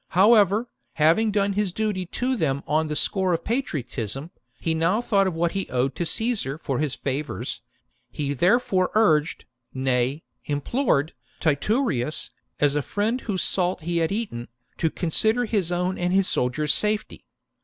How. /f ever, having done his duty to them on the score of patriotism, he now thought of what he owed to Caesar for his favours ; he therefore urged, nay, implored, Titurius, as a friend whose salt he had eaten, to consider his own and his soldiers' safety.